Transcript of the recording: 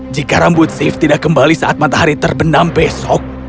jika rambut sif tidak kembali saat matahari terbendam besok